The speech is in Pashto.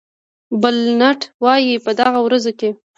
بلنټ وایي په دغه ورځو کې.